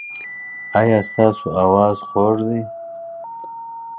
ایا ستاسو اواز خوږ دی؟